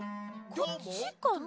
こっちかな？